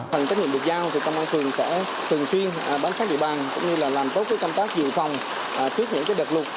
bằng cách nhiệm địch giao thì tâm an phường sẽ thường xuyên bán sát địa bàn cũng như là làm tốt với công tác dự phòng trước những đợt lụt